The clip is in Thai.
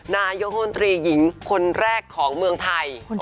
นายกมนตรีหญิงคนแรกของเมืองไทย